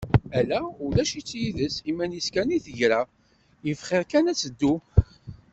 Ala! Ulac-itt yid-s, iman-is i d-tegra, yif xir kan ad tt-tettu.